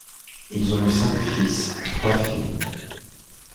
Ils ont eu cinq fils et trois filles.